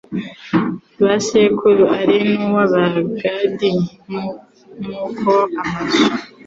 ba sekuru ari n uw Abagadi nk uko amazu